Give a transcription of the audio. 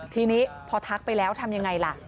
ทีนี้พอทักไปแล้วทำยังไงล่ะ